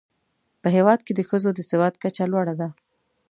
په هېواد کې د ښځو د سواد کچه لوړه ده.